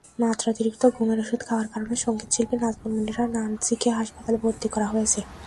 মাত্রাতিরিক্ত ঘুমের ওষুধ খাওয়ার কারণে সংগীতশিল্পী নাজমুন মুনিরা ন্যান্সিকে হাসপাতালে ভর্তি করা হয়েছে।